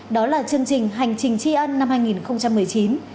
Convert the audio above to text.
đó là chương trình hành trình tri ân năm hai nghìn một mươi chín